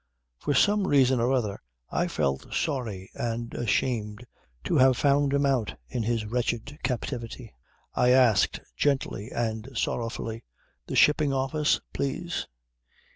For some reason or other I felt sorry and ashamed to have found him out in his wretched captivity. I asked gently and sorrowfully: "The Shipping Office, please."